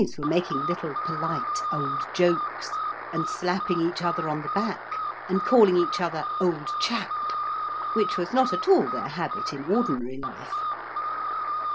's were making little polite old jokes, and slapping each other on the back and calling each other 'old chap,' which was not at all their habit in ordinary life.